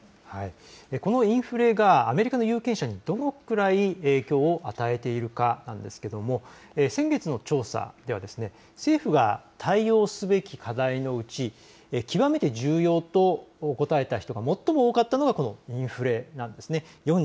このインフレがアメリカの有権者にどのくらい影響を与えているかなんですけれども、先月の調査では政府が対応すべき課題のうち極めて重要と答えた人が最も多かったのがこのインフレなんですね。